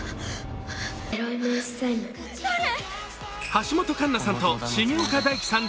橋本環奈さんと重岡大毅さん